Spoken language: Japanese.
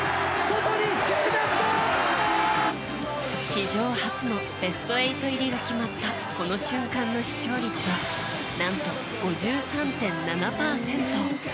史上初のベスト８入りが決まったこの瞬間の視聴率は何と５３．７％。